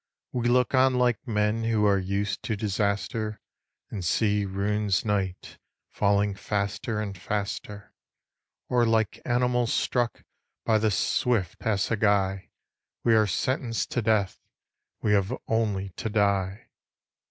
We look on like men Who are used to disaster, And see ruin's night Falling faster and faster. Or like animals struck By the swift assegai, We are sentenced to death, We have only to die.